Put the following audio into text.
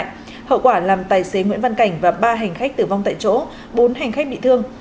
hậu quả làm tài xế nguyễn văn cảnh và ba hành khách tử vong tại chỗ bốn hành khách bị thương